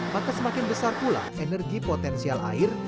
maka semakin besar pula energi potensial air